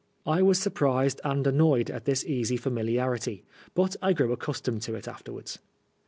I was surprised and annoyed at this easy familiarity, but I grew accustomed to it afterwards.